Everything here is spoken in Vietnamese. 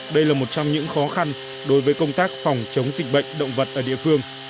đây là một trong những khó khăn đối với công tác phòng chống dịch bệnh động vật ở địa phương